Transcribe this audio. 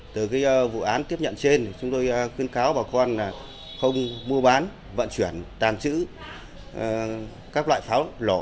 từ vụ án tiếp nhận trên chúng tôi khuyên cáo bà con không mua bán vận chuyển tàn trữ các loại pháo lổ